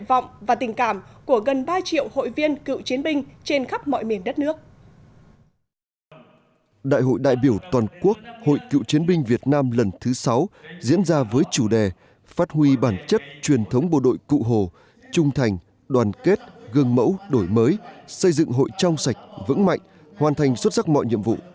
hội cựu chiến binh việt nam lần thứ sáu diễn ra với chủ đề phát huy bản chất truyền thống bộ đội cụ hồ trung thành đoàn kết gương mẫu đổi mới xây dựng hội trong sạch vững mạnh hoàn thành xuất sắc mọi nhiệm vụ